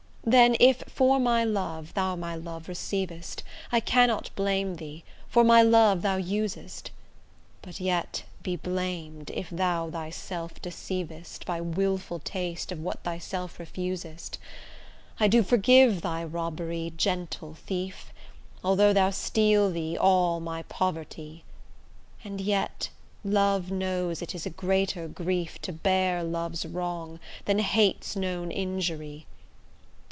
Then, if for my love, thou my love receivest, I cannot blame thee, for my love thou usest; But yet be blam'd, if thou thyself deceivest By wilful taste of what thyself refusest. I do forgive thy robbery, gentle thief, Although thou steal thee all my poverty: And yet, love knows it is a greater grief To bear love's wrong, than hate's known injury.